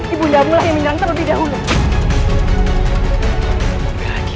ibu anda mulai menyerang terlebih dahulu